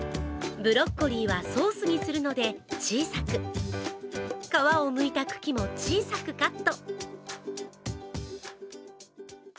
ブロッコリーはソースにするので小さく、皮をむいた茎も小さくカット。